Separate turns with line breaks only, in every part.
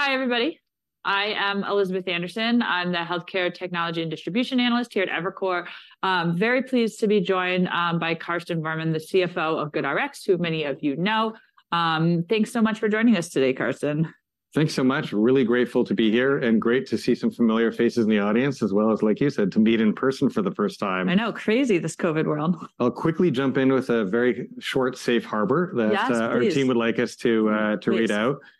Hi, everybody. I am Elizabeth Anderson. I'm the Healthcare Technology and Distribution analyst here at Evercore. Very pleased to be joined by Karsten Voermann, the CFO of GoodRx, who many of you know. Thanks so much for joining us today, Karsten.
Thanks so much. Really grateful to be here, and great to see some familiar faces in the audience, as well as, like you said, to meet in person for the first time.
I know, crazy, this COVID world.
I'll quickly jump in with a very short Safe Harbor that our team would like us to, to read out.
Yes, please.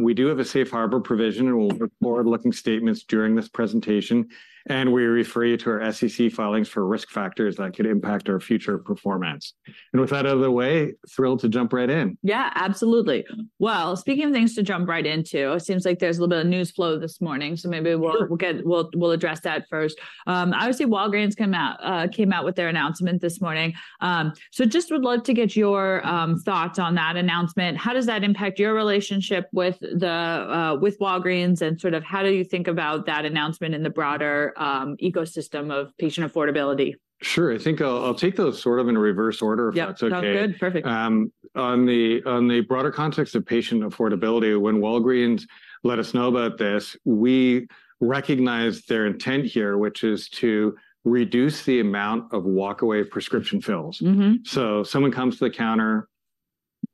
We do have a Safe Harbor provision, and we'll report forward-looking statements during this presentation, and we refer you to our SEC filings for risk factors that could impact our future performance. With that out of the way, thrilled to jump right in.
Yeah, absolutely. Well, speaking of things to jump right into, it seems like there's a little bit of news flow this morning, so maybe we'll get, we'll address that first. Obviously, Walgreens came out with their announcement this morning. So just would love to get your thoughts on that announcement. How does that impact your relationship with Walgreens, and sort of how do you think about that announcement in the broader ecosystem of patient affordability?
Sure. I think I'll, I'll take those sort of in reverse order, if that's okay.
Yep. Sounds good. Perfect.
On the broader context of patient affordability, when Walgreens let us know about this, we recognized their intent here, which is to reduce the amount of walkaway prescription fills. So someone comes to the counter,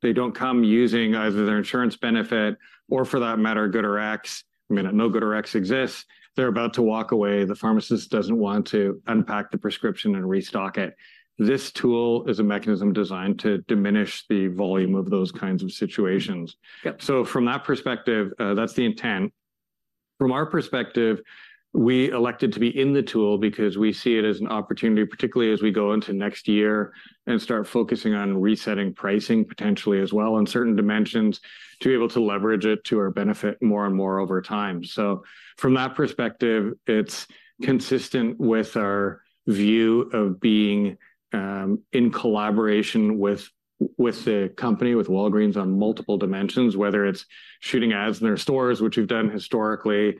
they don't come using either their insurance benefit, or for that matter, GoodRx. I mean, no GoodRx exists. They're about to walk away. The pharmacist doesn't want to unpack the prescription and restock it. This tool is a mechanism designed to diminish the volume of those kinds of situations. So from that perspective, that's the intent. From our perspective, we elected to be in the tool because we see it as an opportunity, particularly as we go into next year and start focusing on resetting pricing potentially as well in certain dimensions, to be able to leverage it to our benefit more and more over time. So from that perspective, it's consistent with our view of being in collaboration with, with the company, with Walgreens, on multiple dimensions, whether it's shooting ads in their stores, which we've done historically,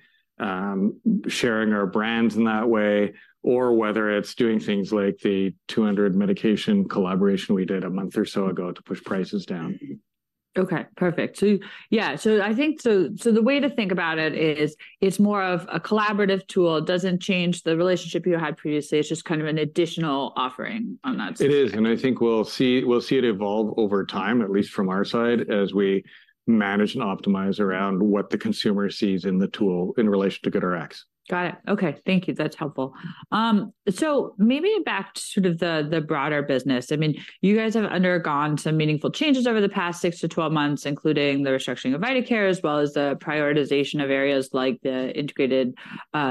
sharing our brands in that way, or whether it's doing things like the 200 medication collaboration we did a month or so ago to push prices down.
Okay, perfect. So, yeah, I think the way to think about it is, it's more of a collaborative tool. It doesn't change the relationship you had previously. It's just kind of an additional offering on that space.
It is, and I think we'll see it evolve over time, at least from our side, as we manage and optimize around what the consumer sees in the tool in relation to GoodRx.
Got it. Okay, thank you. That's helpful. So maybe back to sort of the broader business. I mean, you guys have undergone some meaningful changes over the past six to 12 months, including the restructuring of vitaCare, as well as the prioritization of areas like the Integrated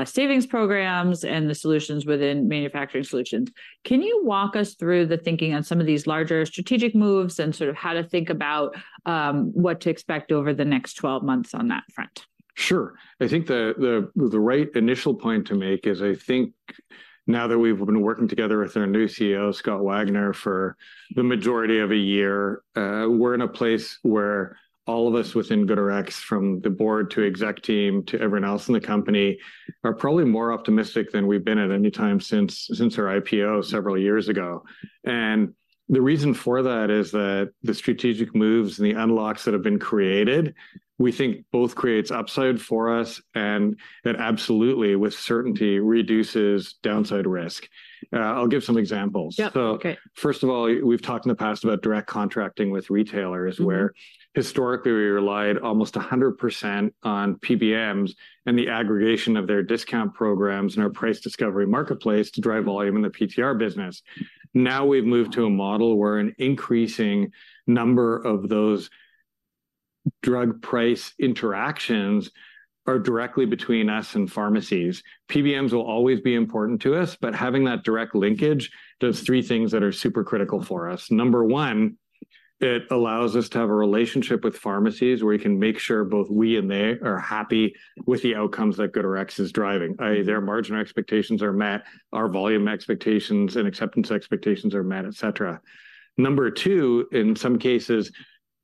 Savings Programs and the solutions within Manufacturer Solutions. Can you walk us through the thinking on some of these larger strategic moves and sort of how to think about what to expect over the next 12 months on that front?
Sure. I think the right initial point to make is, I think now that we've been working together with our new CEO, Scott Wagner, for the majority of a year, we're in a place where all of us within GoodRx, from the board to exec team to everyone else in the company, are probably more optimistic than we've been at any time since our IPO several years ago. And the reason for that is that the strategic moves and the unlocks that have been created, we think both creates upside for us and it absolutely, with certainty, reduces downside risk. I'll give some examples.
Yep. Okay.
First of all, we've talked in the past about direct contracting with retailers where historically, we relied almost 100% on PBMs and the aggregation of their discount programs and our price discovery marketplace to drive volume in the PTR business. Now, we've moved to a model where an increasing number of those drug price interactions are directly between us and pharmacies. PBMs will always be important to us, but having that direct linkage does three things that are super critical for us. Number one, it allows us to have a relationship with pharmacies, where we can make sure both we and they are happy with the outcomes that GoodRx is driving, i.e., their margin expectations are met, our volume expectations and acceptance expectations are met, et cetera. Number two, in some cases,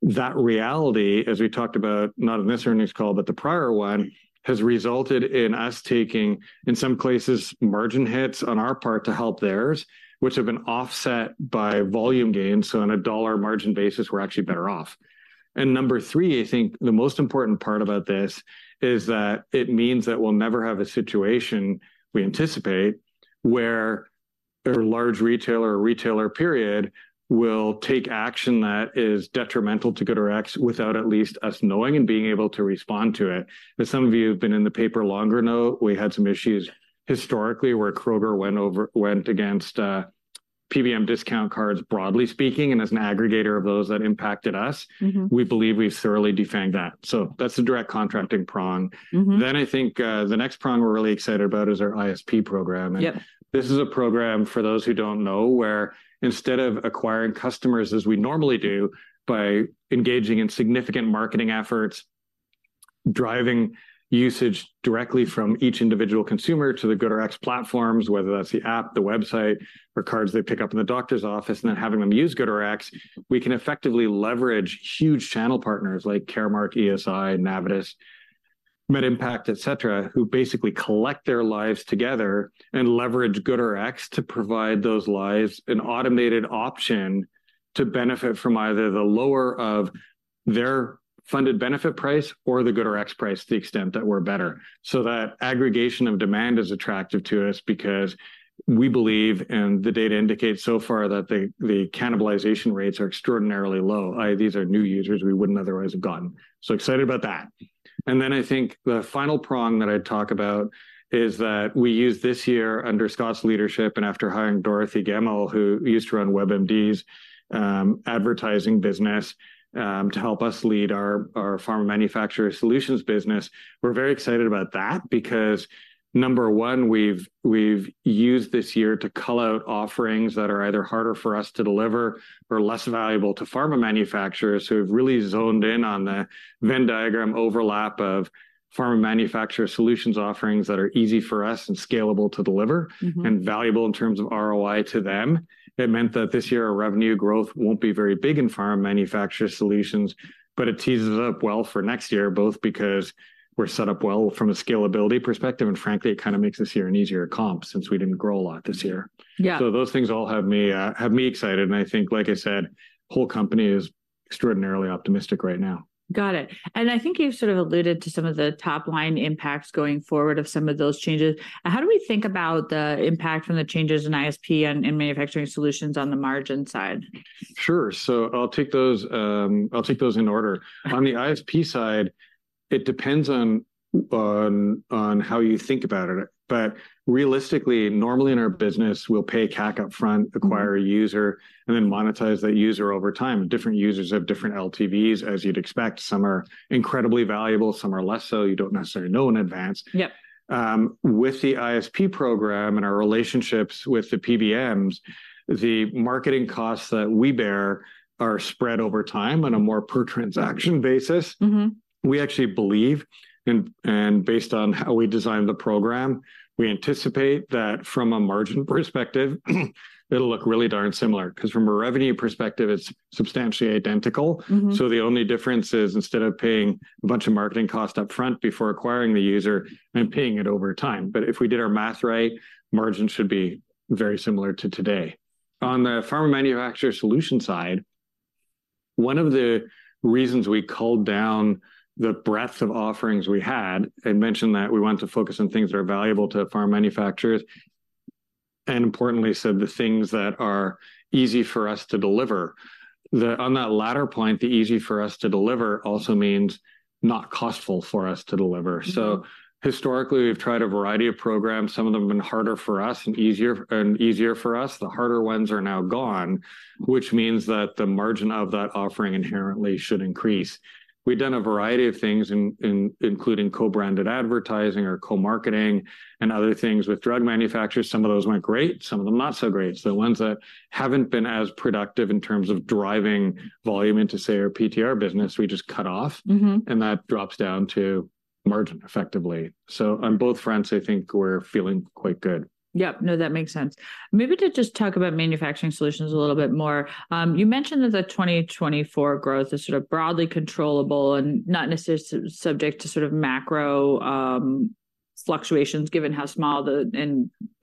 that reality, as we talked about, not in this earnings call, but the prior one, has resulted in us taking, in some cases, margin hits on our part to help theirs, which have been offset by volume gains, so on a dollar margin basis, we're actually better off. And number three, I think the most important part about this is that it means that we'll never have a situation we anticipate, where a large retailer or retailer, period, will take action that is detrimental to GoodRx without at least us knowing and being able to respond to it. As some of you who have been in the paper longer know, we had some issues historically, where Kroger went against PBM discount cards, broadly speaking, and as an aggregator of those, that impacted us. We believe we've thoroughly defanged that. So that's the direct contracting prong. Then I think, the next prong we're really excited about is our ISP program. This is a program, for those who don't know, where instead of acquiring customers as we normally do by engaging in significant marketing efforts, driving usage directly from each individual consumer to the GoodRx platforms, whether that's the app, the website, or cards they pick up in the doctor's office, and then having them use GoodRx, we can effectively leverage huge channel partners like Caremark, ESI, Navitus, MedImpact, et cetera, who basically collect their lives together and leverage GoodRx to provide those lives an automated option to benefit from either the lower of their funded benefit price or the GoodRx price, to the extent that we're better. So that aggregation of demand is attractive to us because we believe, and the data indicates so far, that the cannibalization rates are extraordinarily low. These are new users we wouldn't otherwise have gotten. So excited about that. I think the final prong that I'd talk about is that we used this year, under Scott's leadership and after hiring Dorothy Gemmell, who used to run WebMD's advertising business, to help us lead our Pharma Manufacturer Solutions business. We're very excited about that, because, number one, we've used this year to cull out offerings that are either harder for us to deliver or less valuable to pharma manufacturers, who have really zoned in on the Venn diagram overlap of Pharma Manufacturer Solutions offerings that are easy for us and scalable to deliver and valuable in terms of ROI to them. It meant that this year, our revenue growth won't be very big in Pharma Manufacturer Solutions, but it teases up well for next year, both because we're set up well from a scalability perspective, and frankly, it kind of makes this year an easier comp since we didn't grow a lot this year. So those things all have me excited, and I think, like I said, the whole company is extraordinarily optimistic right now.
Got it. I think you've sort of alluded to some of the top-line impacts going forward of some of those changes. How do we think about the impact from the changes in ISP and in Manufacturer Solutions on the margin side?
Sure. So I'll take those, I'll take those in order.
Okay.
On the ISP side, it depends on how you think about it. But realistically, normally in our business, we'll pay CAC upfront, acquire a user, and then monetize that user over time. Different users have different LTVs, as you'd expect. Some are incredibly valuable, some are less so. You don't necessarily know in advance.
Yep.
With the ISP program and our relationships with the PBMs, the marketing costs that we bear are spread over time on a more per transaction basis. We actually believe, and based on how we designed the program, we anticipate that from a margin perspective, it'll look really darn similar. 'Cause from a revenue perspective, it's substantially identical. So the only difference is, instead of paying a bunch of marketing costs upfront before acquiring the user, I'm paying it over time. But if we did our math right, margins should be very similar to today. On the Pharma Manufacturer Solutions side, one of the reasons we culled down the breadth of offerings we had, I mentioned that we want to focus on things that are valuable to pharma manufacturers, and importantly, so the things that are easy for us to deliver. On that latter point, the easy for us to deliver also means not costly for us to deliver. Historically, we've tried a variety of programs. Some of them have been harder for us and easier for us. The harder ones are now gone. Which means that the margin of that offering inherently should increase. We've done a variety of things, including co-branded advertising or co-marketing and other things with drug manufacturers. Some of those went great, some of them not so great. So the ones that haven't been as productive in terms of driving volume into, say, our PTR business, we just cut off. That drops down to margin effectively. On both fronts, I think we're feeling quite good.
Yep. No, that makes sense. Maybe to just talk about Manufacturer Solutions a little bit more, you mentioned that the 2024 growth is sort of broadly controllable and not necessarily subject to sort of macro fluctuations, given how small the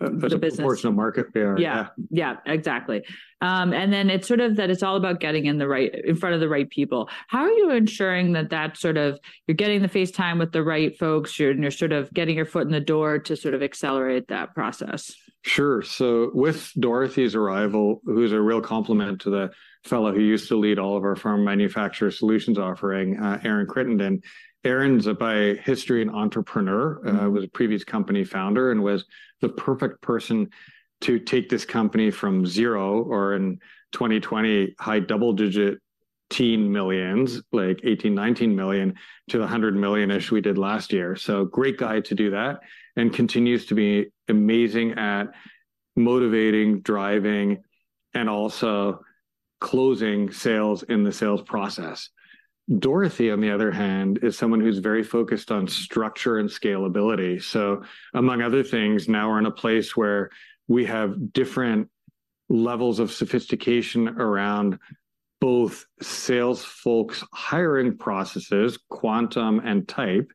business-
The proportional market they are. Yeah.
Yeah. Yeah, exactly. And then it's sort of that it's all about getting in the right, in front of the right people. How are you ensuring that that's sort of... you're getting the face time with the right folks, and you're sort of getting your foot in the door to sort of accelerate that process?
Sure. So with Dorothy's arrival, who's a real complement to the fellow who used to lead all of our pharma Manufacturer Solutions offering, Aaron Crittenden. Aaron's by history an entrepreneur- Was a previous company founder and was the perfect person to take this company from zero or in 2020, high double-digit teen millions, like $18-$19 million, to the $100 million-ish we did last year. So great guy to do that, and continues to be amazing at motivating, driving, and also closing sales in the sales process. Dorothy, on the other hand, is someone who's very focused on structure and scalability. So among other things, now we're in a place where we have different levels of sophistication around both sales folks' hiring processes, quantum and type,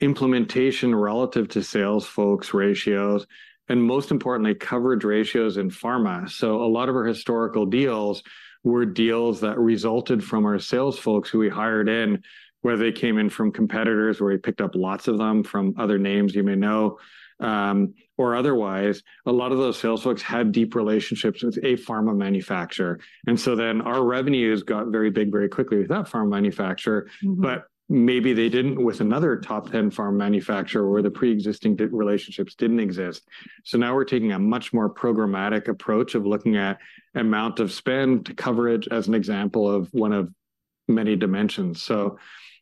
implementation relative to sales folks' ratios, and most importantly, coverage ratios in pharma. A lot of our historical deals were deals that resulted from our sales folks who we hired in, whether they came in from competitors, where we picked up lots of them from other names you may know, or otherwise. A lot of those sales folks had deep relationships with a pharma manufacturer. So then our revenues got very big very quickly with that pharma manufacturer. But maybe they didn't with another top ten pharma manufacturer, where the pre-existing relationships didn't exist. So now we're taking a much more programmatic approach of looking at amount of spend to coverage, as an example of one of many dimensions. So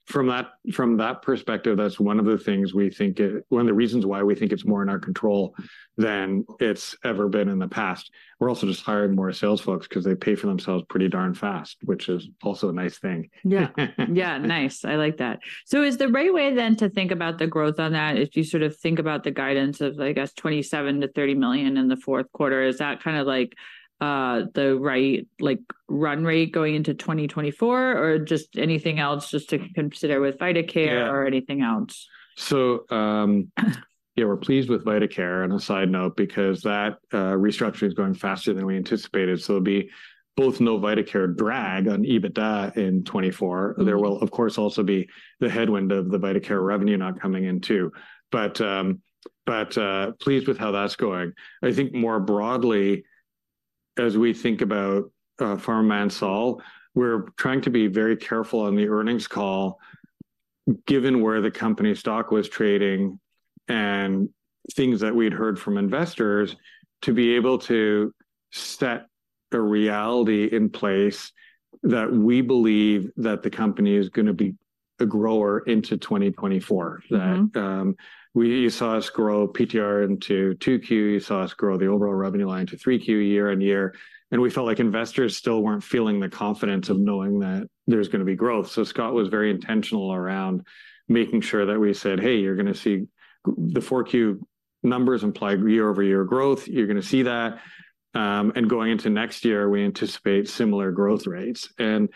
from that, from that perspective, that's one of the things we think it's one of the reasons why we think it's more in our control than it's ever been in the past. We're also just hiring more sales folks 'cause they pay for themselves pretty darn fast, which is also a nice thing.
Yeah. Yeah, nice. I like that. So is the right way then to think about the growth on that, if you sort of think about the guidance of, I guess, $27 million-$30 million in the fourth quarter, is that kind of like the right, like, run rate going into 2024? Or just anything else just to consider with vitaCare or anything else?
So, yeah, we're pleased with VitaCare, on a side note, because that restructuring is going faster than we anticipated, so there'll be no VitaCare drag on EBITDA in 2024. There will, of course, also be the headwind of the vitaCare revenue not coming in, too. But, pleased with how that's going. I think more broadly, as we think about Pharma ManSol, we're trying to be very careful on the earnings call, given where the company stock was trading and things that we'd heard from investors, to be able to set a reality in place that we believe that the company is gonna be a grower into 2024. That you saw us grow PTR into 2Q. You saw us grow the overall revenue line to 3Q year-on-year, and we felt like investors still weren't feeling the confidence of knowing that there's gonna be growth. So Scott was very intentional around making sure that we said: "Hey, you're gonna see the 4Q numbers imply year-over-year growth. You're gonna see that, and going into next year, we anticipate similar growth rates." And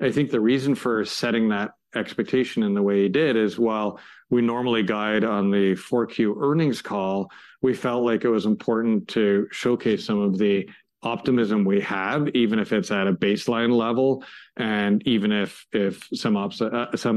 I think the reason for setting that expectation in the way he did is, while we normally guide on the 4Q earnings call, we felt like it was important to showcase some of the optimism we have, even if it's at a baseline level and even if some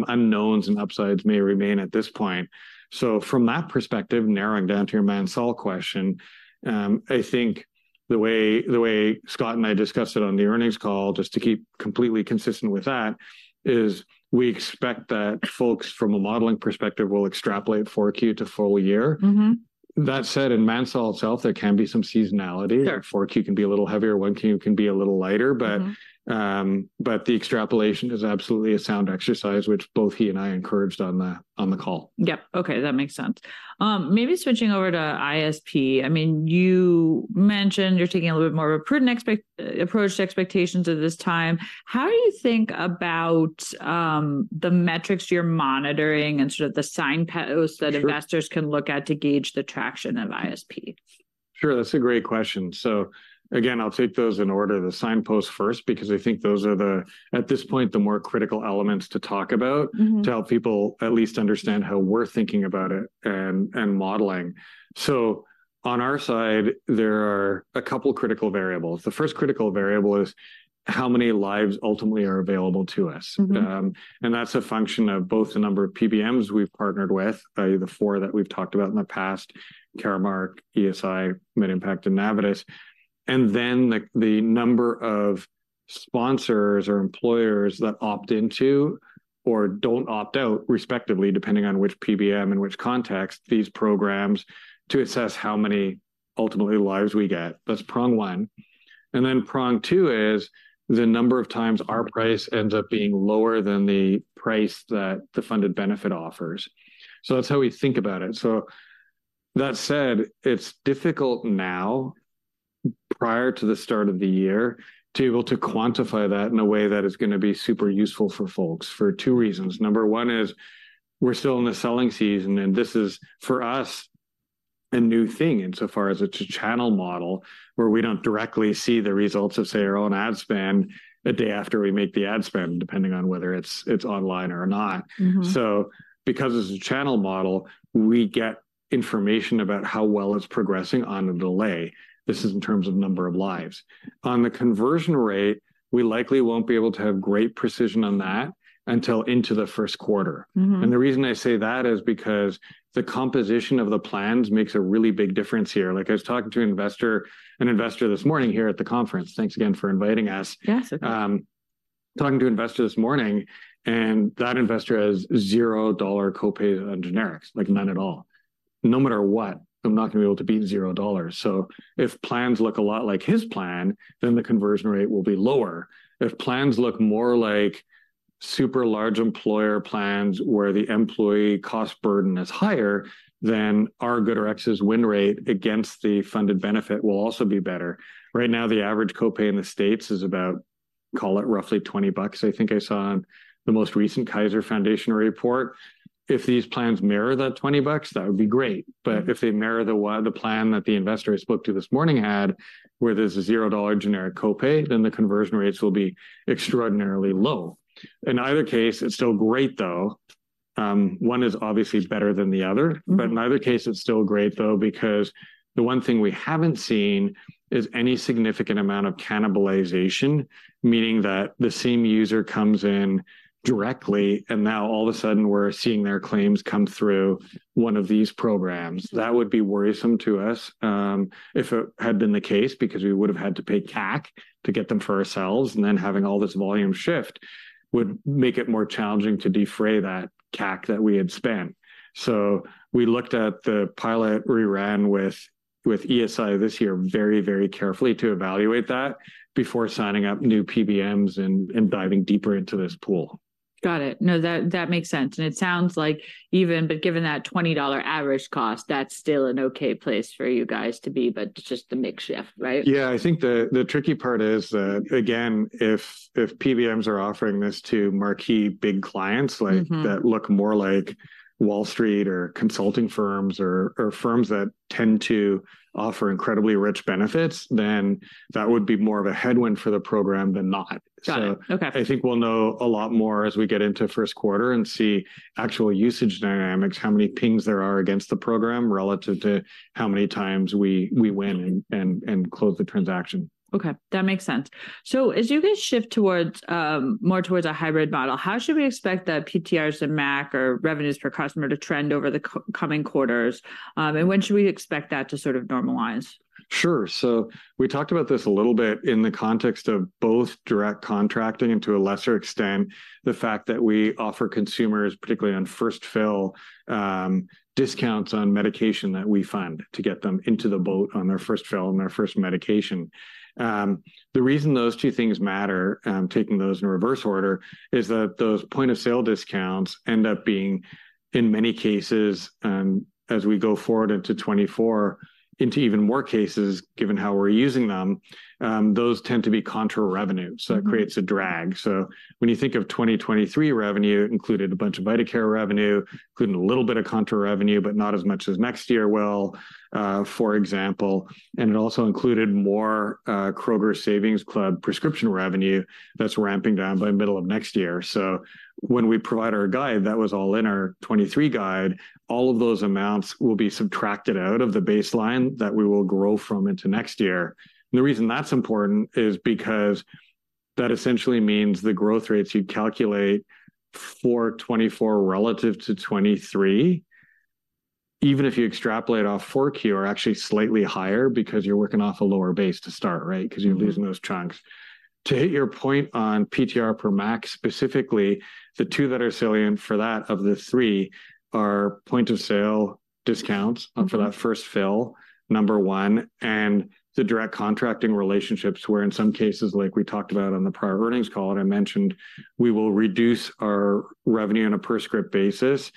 unknowns and upsides may remain at this point. So from that perspective, narrowing down to your ManSol question, I think the way, the way Scott and I discussed it on the earnings call, just to keep completely consistent with that, is we expect that folks from a modeling perspective will extrapolate Q4 to full year. That said, in ManSol itself, there can be some seasonality.
Sure.
Q4 can be a little heavier, Q1 can be a little lighter, but the extrapolation is absolutely a sound exercise, which both he and I encouraged on the call.
Yep. Okay, that makes sense. Maybe switching over to ISP. I mean, you mentioned you're taking a little bit more of a prudent approach to expectations at this time. How do you think about the metrics you're monitoring and sort of the signposts that investors can look at to gauge the traction of ISP?
Sure. Sure. That's a great question. So again, I'll take those in order, the signposts first, because I think those are the, at this point, the more critical elements to talk about to help people at least understand how we're thinking about it and modeling. So on our side, there are a couple critical variables. The first critical variable is how many lives ultimately are available to us. And that's a function of both the number of PBMs we've partnered with, the four that we've talked about in the past, Caremark, ESI, MedImpact, and Navitus, and then the number of sponsors or employers that opt into or don't opt out, respectively, depending on which PBM and which context, these programs, to assess how many, ultimately, lives we get. That's prong one. Then prong two is the number of times our price ends up being lower than the price that the funded benefit offers. That's how we think about it. That said, it's difficult now, prior to the start of the year, to be able to quantify that in a way that is gonna be super useful for folks, for two reasons. Number one is, we're still in the selling season, and this is, for us, a new thing in so far as it's a channel model where we don't directly see the results of, say, our own ad spend a day after we make the ad spend, depending on whether it's online or not. Because it's a channel model, we get information about how well it's progressing on a delay. This is in terms of number of lives. On the conversion rate, we likely won't be able to have great precision on that until into the first quarter. The reason I say that is because the composition of the plans makes a really big difference here. Like, I was talking to an investor, an investor this morning here at the conference. Thanks again for inviting us.
Yes, absolutely.
Talking to an investor this morning, and that investor has $0 copay on generics, like none at all. No matter what, I'm not gonna be able to beat $0. So if plans look a lot like his plan, then the conversion rate will be lower. If plans look more like super large employer plans, where the employee cost burden is higher, then our GoodRx's win rate against the funded benefit will also be better. Right now, the average copay in the States is about, call it, roughly $20. I think I saw on the most recent Kaiser Family Foundation report, if these plans mirror that $20, that would be great. But if they mirror the plan that the investor I spoke to this morning had, where there's a $0 generic copay, then the conversion rates will be extraordinarily low. In either case, it's still great, though. One is obviously better than the other but in either case, it's still great, though, because the one thing we haven't seen is any significant amount of cannibalization, meaning that the same user comes in directly, and now all of a sudden, we're seeing their claims come through one of these programs. That would be worrisome to us if it had been the case, because we would have had to pay CAC to get them for ourselves, and then having all this volume shift would make it more challenging to defray that CAC that we had spent. So we looked at the pilot we ran with ESI this year very, very carefully to evaluate that before signing up new PBMs and diving deeper into this pool.
Got it. No, that, that makes sense. And it sounds like even, but given that $20 average cost, that's still an okay place for you guys to be, but it's just a makeshift, right?
Yeah, I think the tricky part is that, again, if PBMs are offering this to marquee big clients like, that look more like Wall Street or consulting firms or, or firms that tend to offer incredibly rich benefits, then that would be more of a headwind for the program than not.
Got it. Okay.
So I think we'll know a lot more as we get into first quarter and see actual usage dynamics, how many pings there are against the program, relative to how many times we win and close the transaction.
Okay, that makes sense. So as you guys shift towards more towards a hybrid model, how should we expect the PTRs and MAC or revenues per customer to trend over the coming quarters? And when should we expect that to sort of normalize?
Sure. So we talked about this a little bit in the context of both direct contracting, and to a lesser extent, the fact that we offer consumers, particularly on first fill, discounts on medication that we fund to get them into the boat on their first fill, on their first medication. The reason those two things matter, taking those in reverse order, is that those point-of-sale discounts end up being, in many cases, as we go forward into 2024, into even more cases, given how we're using them, those tend to be contra revenues. So that creates a drag. So when you think of 2023 revenue, included a bunch of vitaCare revenue, including a little bit of contra revenue, but not as much as next year will, for example, and it also included more, Kroger Savings Club prescription revenue that's ramping down by middle of next year. So when we provide our guide, that was all in our '23 guide, all of those amounts will be subtracted out of the baseline that we will grow from into next year. And the reason that's important is because that essentially means the growth rates you'd calculate for 2024 relative to 2023, even if you extrapolate off 4Q, are actually slightly higher because you're working off a lower base to start, right? 'Cause you're losing those chunks. To hit your point on PTR per MAC, specifically, the two that are salient for that of the three are point-of-sale discounts- for that first fill, number one, and the direct contracting relationships, where in some cases, like we talked about on the prior earnings call, and I mentioned, we will reduce our revenue on a per script basis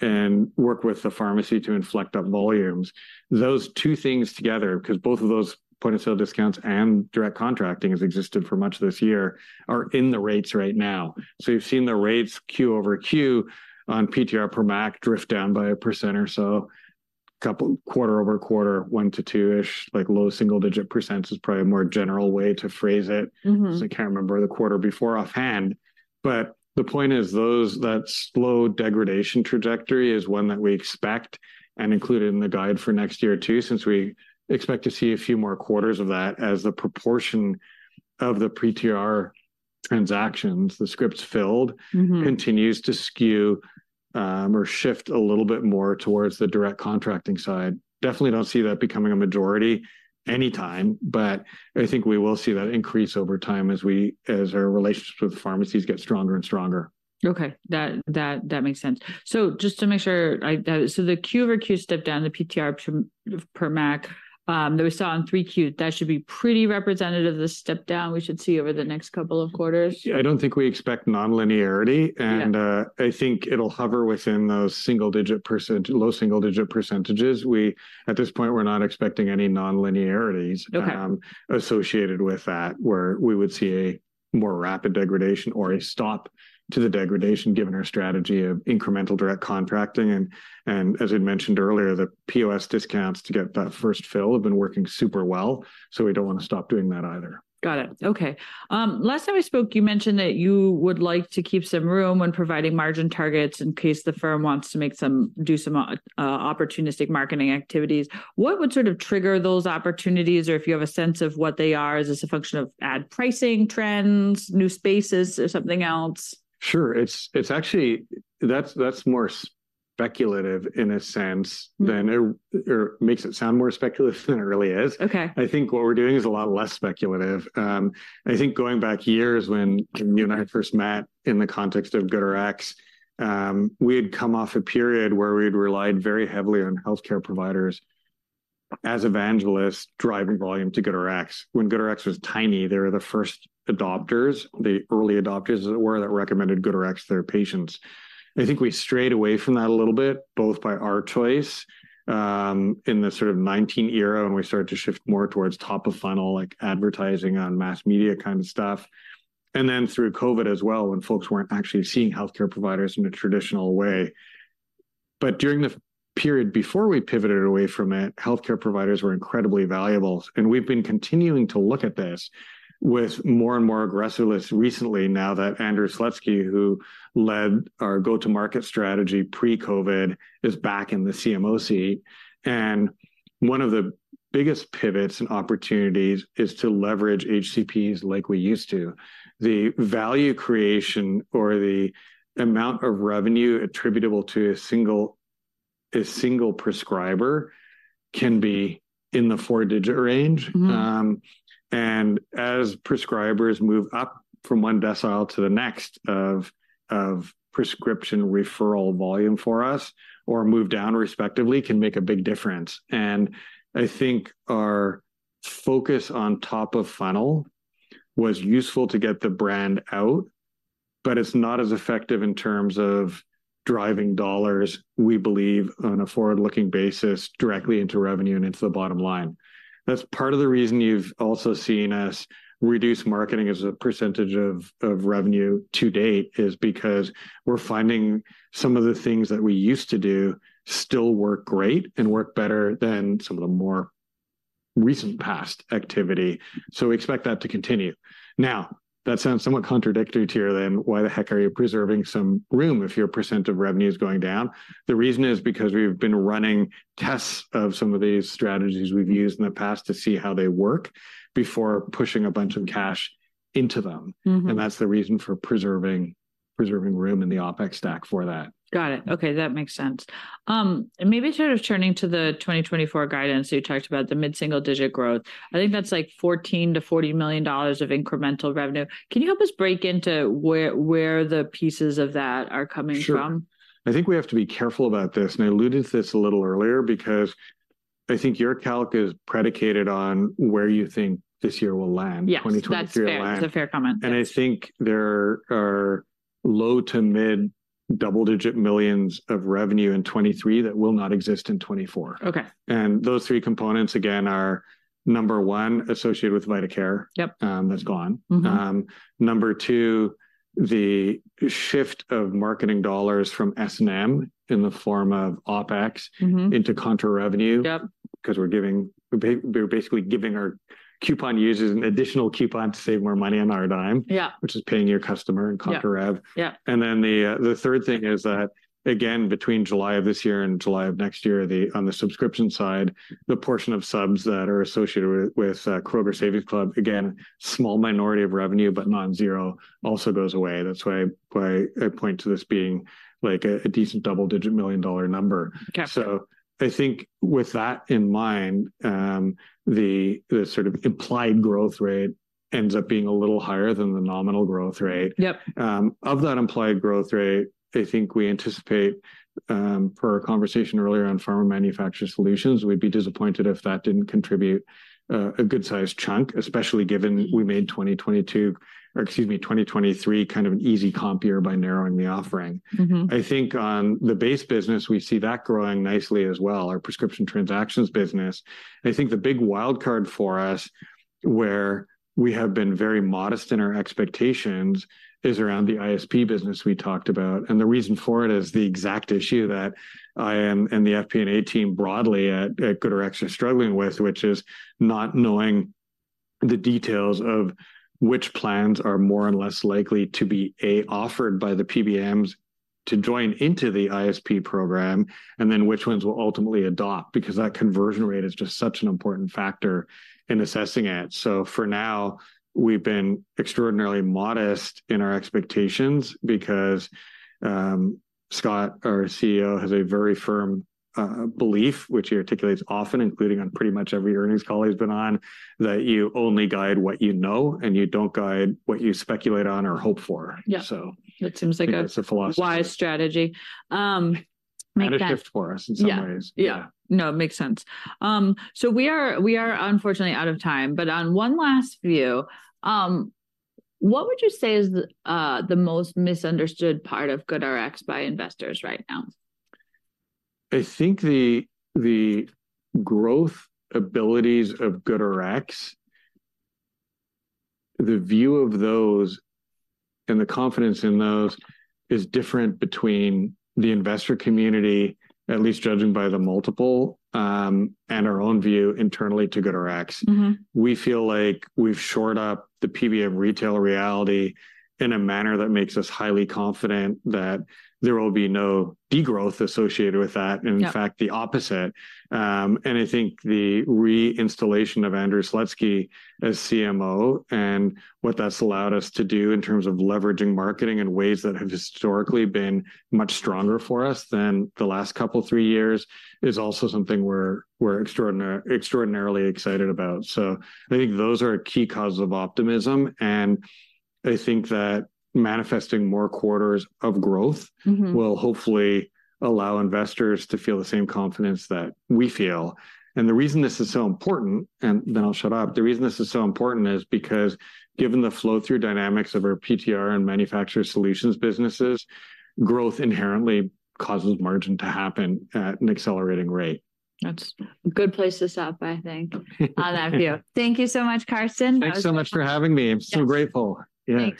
and work with the pharmacy to inflect up volumes. Those two things together, because both of those point-of-sale discounts and direct contracting has existed for much of this year, are in the rates right now. So you've seen the rates Q-over-Q on PTR per MAC drift down by 1% or so quarter-over-quarter, one to two-ish, like, low single-digit percent is probably a more general way to phrase it. 'Cause I can't remember the quarter before offhand. But the point is, those, that slow degradation trajectory is one that we expect and included in the guide for next year, too, since we expect to see a few more quarters of that as the proportion of the PTR transactions, the scripts filled continues to skew, or shift a little bit more towards the direct contracting side. Definitely don't see that becoming a majority anytime, but I think we will see that increase over time as our relationships with pharmacies get stronger and stronger.
Okay, that makes sense. So just to make sure, so the Q over Q step down, the PTR per MAC, that we saw on 3Q, that should be pretty representative of the step down we should see over the next couple of quarters?
I don't think we expect nonlinearity.
Yeah.
I think it'll hover within those low single-digit percentage. At this point, we're not expecting any nonlinearities associated with that, where we would see a more rapid degradation or a stop to the degradation, given our strategy of incremental direct contracting. And, as I'd mentioned earlier, the POS discounts to get that first fill have been working super well, so we don't want to stop doing that either.
Got it. Okay. Last time we spoke, you mentioned that you would like to keep some room when providing margin targets in case the firm wants to do some opportunistic marketing activities. What would sort of trigger those opportunities, or if you have a sense of what they are? Is this a function of ad pricing trends, new spaces, or something else?
Sure. It's actually... That's more speculative in a sense than or makes it sound more speculative than it really is.
Okay.
I think what we're doing is a lot less speculative. I think going back years, when you and I first met in the context of GoodRx, we had come off a period where we had relied very heavily on healthcare providers as evangelists, driving volume to GoodRx. When GoodRx was tiny, they were the first adopters, the early adopters, where that recommended GoodRx to their patients. I think we strayed away from that a little bit, both by our choice, in the sort of 2019 era, when we started to shift more towards top-of-funnel, like, advertising on mass media kind of stuff, and then through COVID as well, when folks weren't actually seeing healthcare providers in a traditional way. But during the period before we pivoted away from it, healthcare providers were incredibly valuable, and we've been continuing to look at this with more and more aggressiveness recently now that Andrew Slutsky, who led our go-to-market strategy pre-COVID, is back in the CMO. And one of the biggest pivots and opportunities is to leverage HCPs like we used to. The value creation or the amount of revenue attributable to a single prescriber can be in the four-digit range. As prescribers move up from one decile to the next of prescription referral volume for us or move down respectively, can make a big difference. I think our focus on top of funnel was useful to get the brand out, but it's not as effective in terms of driving dollars, we believe, on a forward-looking basis, directly into revenue and into the bottom line. That's part of the reason you've also seen us reduce marketing as a percentage of revenue to date, is because we're finding some of the things that we used to do still work great and work better than some of the more recent past activity. So we expect that to continue. Now, that sounds somewhat contradictory to you, then why the heck are you preserving some room if your percent of revenue is going down? The reason is because we've been running tests of some of these strategies we've used in the past to see how they work before pushing a bunch of cash into them. That's the reason for preserving room in the OpEx stack for that.
Got it. Okay, that makes sense. And maybe sort of turning to the 2024 guidance, you talked about the mid-single-digit growth. I think that's like $14 million-$40 million of incremental revenue. Can you help us break into where the pieces of that are coming from?
Sure. I think we have to be careful about this, and I alluded to this a little earlier, because I think your calc is predicated on where you think this year will land-
Yes...
2023 will land.
That's fair. That's a fair comment.
I think there are low- to mid-double-digit millions of revenue in 2023 that will not exist in 2024.
Okay.
Those three components, again, are, number one, associated with vitaCare.
Yep.
That's gone. Number two, the shift of marketing dollars from S&M, in the form of OpEx into contra-revenue-
Yep
'Cause we're giving, we're basically giving our coupon users an additional coupon to save more money on our dime which is paying your customer in contra-rev.
Yeah. Yeah.
And then the third thing is that, again, between July of this year and July of next year, on the subscription side, the portion of subs that are associated with Kroger Savings Club, again, small minority of revenue, but non-zero, also goes away. That's why I point to this being, like a decent double-digit million-dollar number.
Okay.
So I think with that in mind, the sort of implied growth rate ends up being a little higher than the nominal growth rate.
Yep.
Of that implied growth rate, I think we anticipate, per our conversation earlier on Pharma Manufacturer Solutions, we'd be disappointed if that didn't contribute a good-sized chunk, especially given we made 2022, or excuse me, 2023, kind of an easy comp year by narrowing the offering. I think on the base business, we see that growing nicely as well, our prescription transactions business. I think the big wild card for us, where we have been very modest in our expectations, is around the ISP business we talked about. The reason for it is the exact issue that I and the FP&A team broadly at GoodRx are struggling with, which is not knowing the details of which plans are more and less likely to be, A, offered by the PBMs to join into the ISP program, and then which ones will ultimately adopt, because that conversion rate is just such an important factor in assessing it. So for now, we've been extraordinarily modest in our expectations because Scott, our CEO, has a very firm belief, which he articulates often, including on pretty much every earnings call he's been on, that you only guide what you know, and you don't guide what you speculate on or hope for.
Yep.
So-
It seems like a wise strategy.
It's a philosophy.
Make that-
A shift for us in some ways.
Yeah. No, it makes sense. So we are unfortunately out of time, but on one last view, what would you say is the most misunderstood part of GoodRx by investors right now?
I think the growth abilities of GoodRx, the view of those and the confidence in those is different between the investor community, at least judging by the multiple, and our own view internally to GoodRx. We feel like we've shored up the PBM retail reality in a manner that makes us highly confident that there will be no degrowth associated with that in fact, the opposite. And I think the reinstallation of Andrew Slutsky as CMO and what that's allowed us to do in terms of leveraging marketing in ways that have historically been much stronger for us than the last couple, three years, is also something we're extraordinarily excited about. So I think those are key causes of optimism, and I think that manifesting more quarters of growth will hopefully allow investors to feel the same confidence that we feel. And the reason this is so important, and then I'll shut up, the reason this is so important is because, given the flow-through dynamics of our PTR and Manufacturer Solutions businesses, growth inherently causes margin to happen at an accelerating rate.
That's a good place to stop, I think. I love you. Thank you so much, Karsten.
Thanks so much for having me.
Yes.
I'm so grateful. Yeah.